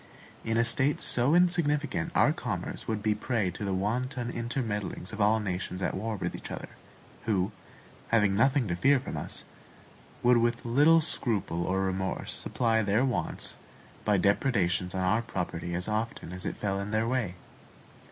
In a state so insignificant our commerce would be a prey to the wanton intermeddlings of all nations at war with each other; who, having nothing to fear from us, would with little scruple or remorse, supply their wants by depredations on our property as often as it fell in their way.